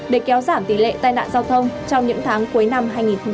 để kéo giảm tỷ lệ tai nạn giao thông trong những tháng cuối năm hai nghìn hai mươi